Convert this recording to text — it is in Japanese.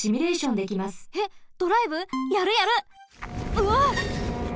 うわっ！